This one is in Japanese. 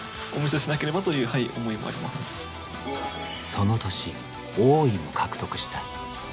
その年王位も獲得した。